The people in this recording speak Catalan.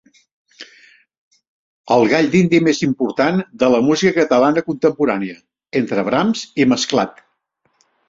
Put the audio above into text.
El gall dindi més important de la música catalana contemporània, entre Brams i Mesclat.